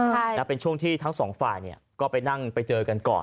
ใช่นะเป็นช่วงที่ทั้งสองฝ่ายเนี่ยก็ไปนั่งไปเจอกันก่อน